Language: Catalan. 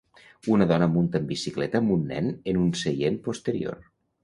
Una dona munta en bicicleta amb un nen en un seient posterior.